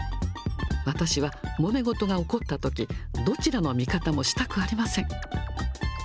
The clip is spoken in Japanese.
私はもめ事が起こったとき、どちらの味方もしたくありません。